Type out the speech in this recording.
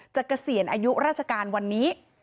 เกษียณอายุราชการวันนี้